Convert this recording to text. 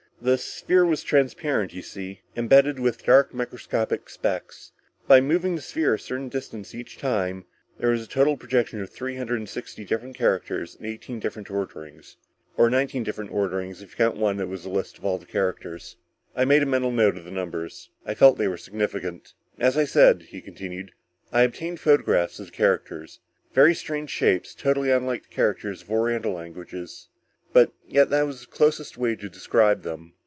The sphere was transparent, you see, imbedded with dark microscopic specks. By moving the sphere a certain distance each time, there was a total projection of three hundred and sixty different characters in eighteen different orderings. Or nineteen different orderings if you count one which was a list of all the characters." I made a mental note of the numbers. I felt they were significant. "As I said," he continued, "I obtained the photographs of the characters. Very strange shapes, totally unlike the characters of Oriental languages, but yet that is the closest way to describe them."